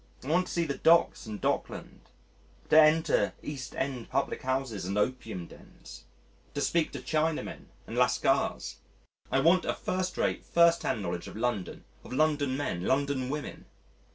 I want to see the Docks and Dockland, to enter East End public houses and opium dens, to speak to Chinamen and Lascars: I want a first rate, first hand knowledge of London, of London men, London women.